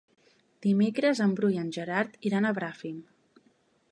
Dimecres en Bru i en Gerard iran a Bràfim.